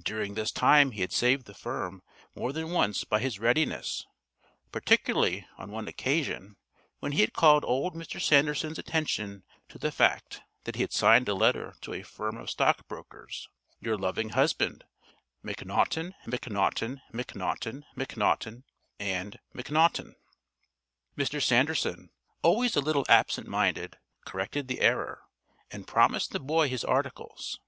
During this time he had saved the firm more than once by his readiness particularly on one occasion, when he had called old Mr. Sanderson's attention to the fact that he had signed a letter to a firm of stockbrokers, "Your loving husband, Macnaughton, Macnaughton, Macnaughton, Macnaughton & Macnaughton." Mr. Sanderson, always a little absent minded, corrected the error, and promised the boy his articles.